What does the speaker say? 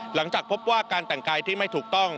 หลังจากพบว่าการแต่งกายที่ไม่ถูกต้อง